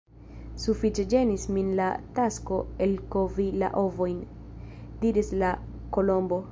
"Sufiĉe ĝenis min la tasko elkovi la ovojn," diris la Kolombo.